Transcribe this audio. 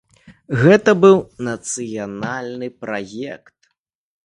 Гэта быў нацыянальны праект.